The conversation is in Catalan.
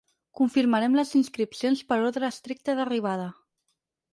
Confirmarem les inscripcions per ordre estricte d’arribada.